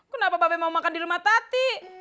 kenapa bapak mau makan di rumah tati